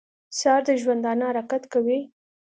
سهار د ژوندانه حرکت کوي.